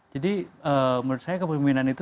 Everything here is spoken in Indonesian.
jadi menurut saya kepemimpinan itu